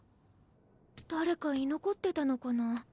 誰か居残ってたのかな？